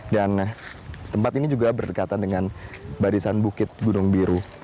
dan tempat ini juga berdekatan dengan barisan bukit gunung biru